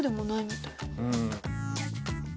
うん。